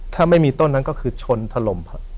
ถ้าไม่มีต้นนั้นก็คือชนทะลม